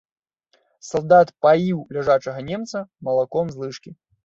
Салдат паіў ляжачага немца малаком з лыжкі.